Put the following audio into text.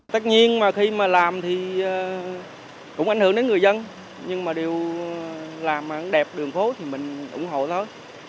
tất nhiên mà khi mà làm thì cũng ảnh hưởng đến người dân nhưng mà đều làm đẹp đường phố thì mình ủng hộ thôi